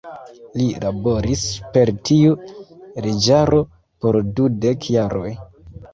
Li laboris super tiu leĝaro por dudek jaroj.